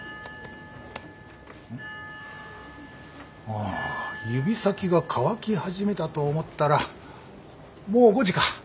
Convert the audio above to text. ああ指先が乾き始めたと思ったらもう５時か。